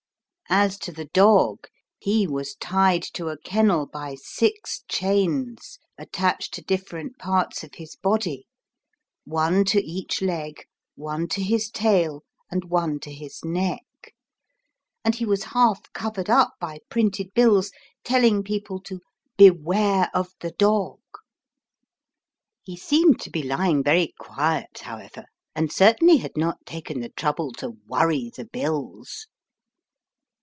As to the 62 The sleeping dog lets the bills lie about him. dog, he was tied to a kennel by six chains attached to different parts of his body one to each leg, one to his tail, and one to his neck ; and he was half covered up by printed bills, telling people to "Beware of the dog." He seemed to be lying very quiet, however, and certainly had not taken the trouble to worry the bills.